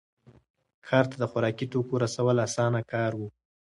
ښار ته د خوراکي توکو رسول اسانه کار و.